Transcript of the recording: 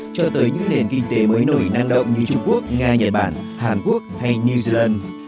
cho tới những nền kinh tế mới nổi năng động như trung quốc nga nhật bản hàn quốc hay new zealand